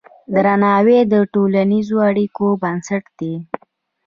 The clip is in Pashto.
درناوی د ټولنیزو اړیکو بنسټ دی.